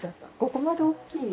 ここまで大きい。